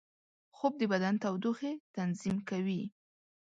خوب د بدن تودوخې تنظیم کوي